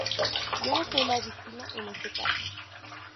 Yo no soy la víctima en este caso.